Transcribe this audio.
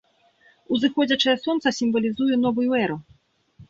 Узыходзячае сонца сімвалізуе новую эру.